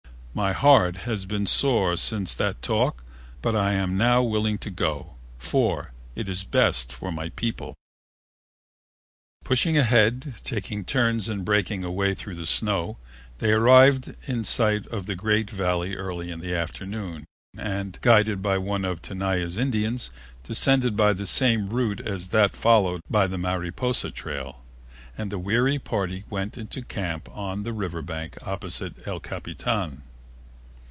My heart has been sore since that talk but I am now willing to go, for it is best for my people." Pushing ahead, taking turns in breaking a way through the snow, they arrived in sight of the great Valley early in the afternoon and, guided by one of Tenaya's Indians, descended by the same route as that followed by the Mariposa trail, and the weary party went into camp on the river bank opposite El Capitan.